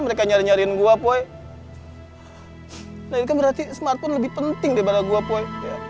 mereka nyari nyariin gua poy hai naikkan berarti smartphone lebih penting daripada gua poy